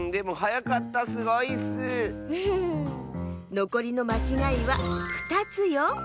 のこりのまちがいは２つよ！